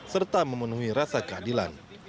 serta memenuhi rasa keadilan